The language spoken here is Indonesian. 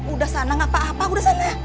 udah sana gak apa apa udah sana